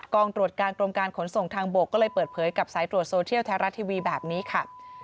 ตรวจการกรมการขนส่งทางบกก็เลยเปิดเผยกับสายตรวจโซเทียลแท้รัฐทีวีแบบนี้ค่ะ